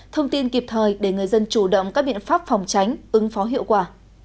thông tin kịp thời để người dân chủ động các biện pháp phòng tránh ứng phó hiệu quả